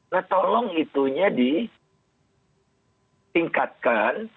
nah tolong itunya ditingkatkan